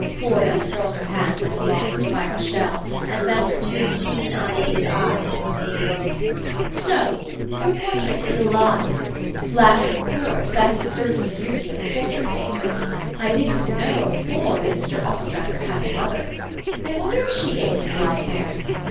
Coy uncurled her hand like a long spiral shell, and bent her two keen, unaided eyes upon Avis. "No: your portrait is alive. Flattered, of course : that is the first duty of a portrait painter. I didn't know before, that Mr. Ostrander had a mother. I wonder if she gave him his light hair.